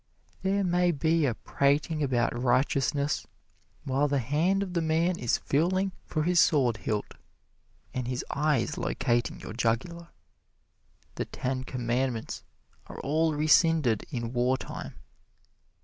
There may be a prating about righteousness while the hand of the man is feeling for his sword hilt, and his eye is locating your jugular. The Ten Commandments are all rescinded in war time.